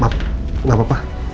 maaf enggak apa apa